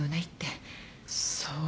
そう。